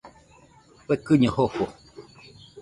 Fekɨño jofo.